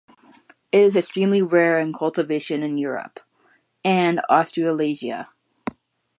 It is extremely rare in cultivation in Europe, and Australasia.